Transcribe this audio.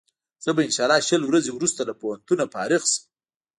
زه به انشا الله شل ورځې وروسته له پوهنتون څخه فارغ شم.